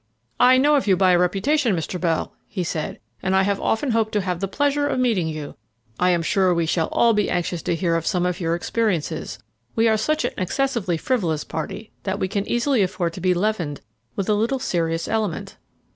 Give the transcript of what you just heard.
"I know of you by reputation, Mr. Bell," he said, "and I have often hoped to have the pleasure of meeting you. I am sure we shall all be anxious to hear of some of your experiences. We are such an excessively frivolous party that we can easily afford to be leavened with a little serious element."